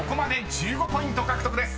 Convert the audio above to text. １５ポイント獲得です］